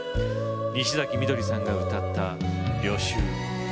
西崎みどりさんが歌った「旅愁」。